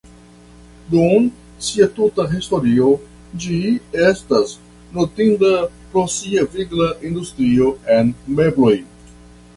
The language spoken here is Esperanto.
Dum sia tuta historio, ĝi estas notinda pro sia vigla industrio en mebloj.